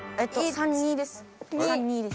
３２です。